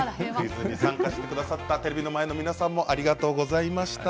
参加してくださったテレビの前の皆様ありがとうございました。